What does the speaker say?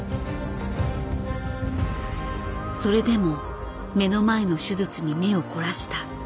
それでも目の前の手術に目を凝らした。